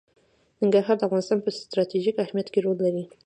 ننګرهار د افغانستان په ستراتیژیک اهمیت کې رول لري.